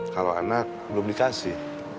kalau anak belum dikasih